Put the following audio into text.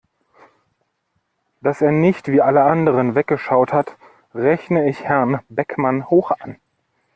Dass er nicht wie alle anderen weggeschaut hat, rechne ich Herrn Beckmann hoch an.